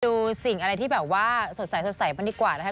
ดูสิ่งอะไรที่แบบว่าสดใสสดใสมันดีกว่านะคะ